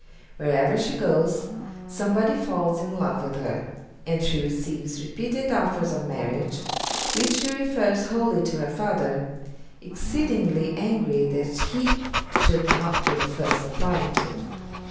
Wherever she goes, somebody falls in love with her, and she receives repeated offers of marriage, which she refers wholly to her father, exceedingly angry that he should not be the first applied to.